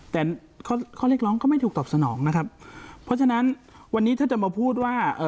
แต่ข้อข้อเรียกร้องก็ไม่ถูกตอบสนองนะครับเพราะฉะนั้นวันนี้ถ้าจะมาพูดว่าเอ่อ